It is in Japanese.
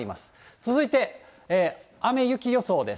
続いて、雨雪予想です。